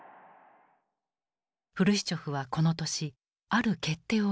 フルシチョフはこの年ある決定を下す。